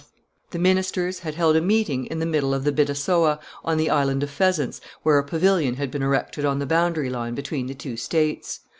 The ministers had held a meeting in the middle of the Bidassoa, on the Island of Pheasants, where a pavilion had been erected on the boundary line between the two states.